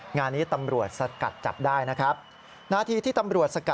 นะฮะ